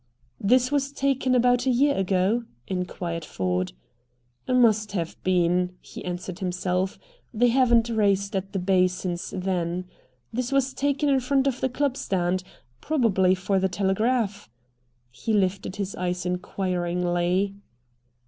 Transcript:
"This was taken about a year ago?" inquired Ford. "Must have been," he answered himself; "they haven't raced at the Bay since then. This was taken in front of the club stand probably for the Telegraph?" He lifted his eyes inquiringly.